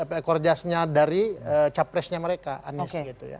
ekor jasnya dari capresnya mereka anies gitu ya